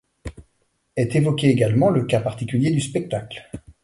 Est évoqué également le cas particulier du spectacle.